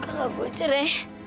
kalau gue cerai